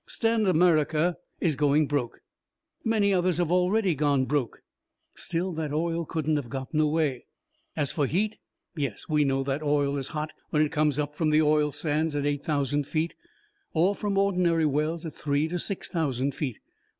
Stan America is going broke. Many others have already gone broke. Still, that oil couldn't have gotten away. "As for heat yes, we know that oil is hot when it comes up from the oil sand at eight thousand feet, or from ordinary wells at three to six thousand feet.